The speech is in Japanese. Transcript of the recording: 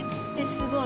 すごい。